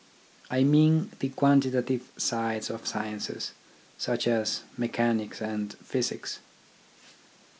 I mean the quantitative sides of sciences, such as mechanics and physics.